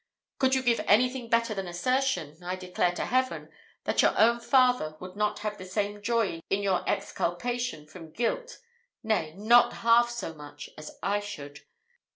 Could you give anything better than assertion, I declare to Heaven, that your own father would not have the same joy in your exculpation from guilt nay, not half so much, as I should!"